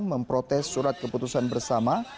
memprotes surat keputusan bersama